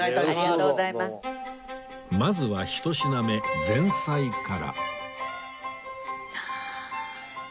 まずは１品目前菜からはあ！